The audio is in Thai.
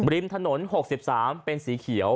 ริมถนน๖๓เป็นสีเขียว